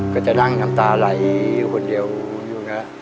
ก็จะดั่งหลังตาอาหร่ายคนเดียวอยู่นะ